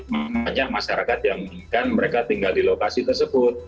banyak masyarakat yang inginkan mereka tinggal di lokasi tersebut